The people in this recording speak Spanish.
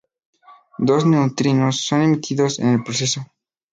Dos neutrinos son emitidos en el proceso.